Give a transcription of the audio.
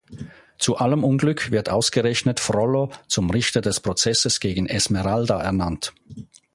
Zu allem Unglück wird ausgerechnet Frollo zum Richter des Prozesses gegen Esmeralda ernannt.